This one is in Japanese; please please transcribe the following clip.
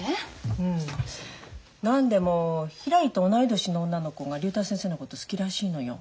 うんなんでもひらりと同い年の女の子が竜太先生のこと好きらしいのよ。